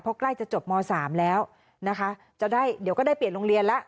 เพราะใกล้จะจบม๓แล้วนะคะจะได้เดี๋ยวก็ได้เปลี่ยนโรงเรียนแล้ว